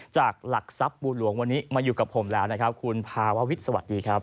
จากหลักสัพบูรุองวันนี้มาอยู่กับผมแล้วคุณภาววิทย์สวัสดีครับ